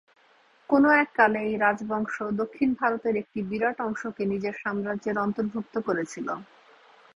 কোন এককালে এই রাজবংশ দক্ষিণ ভারতের একটি বিরাট অংশকে নিজের সাম্রাজ্যের অন্তর্ভুক্ত করেছিল।